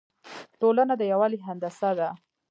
ټولنه د یووالي هندسه ده.